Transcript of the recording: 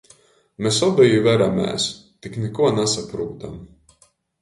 Mes obeji veramēs, tik nikuo nasaprūtam.